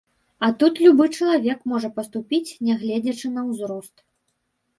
А тут любы чалавек можа паступіць, нягледзячы на ўзрост.